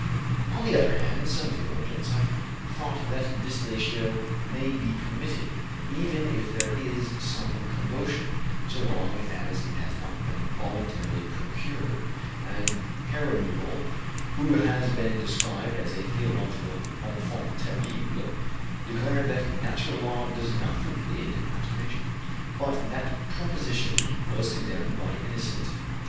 On the other hand, some theologians have thought that distillatio may be permitted, even if there is some commotion, so long as it has not been voluntarily procured, and Caramuel, who has been described as a theological enfant terrible, declared that "natural law does not forbid masturbation," but that proposition was condemned by Innocent XI.